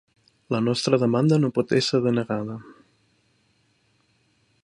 La nostra demanda no pot ésser denegada.